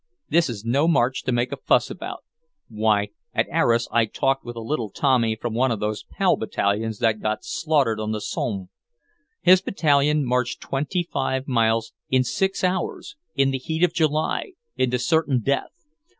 This is no march to make a fuss about. Why, at Arras I talked with a little Tommy from one of those Pal Battalions that got slaughtered on the Somme. His battalion marched twenty five miles in six hours, in the heat of July, into certain death.